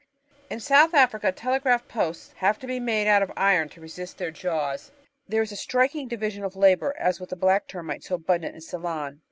In South Africa telegraph posts have to be made of iron to resist their jawsv There is striking division of labour, as with the Black Termite so abundant in Ceylon.